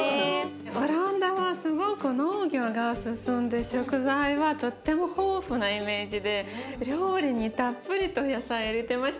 オランダはすごく農業が進んで食材はとっても豊富なイメージで料理にたっぷりと野菜入れてましたよね。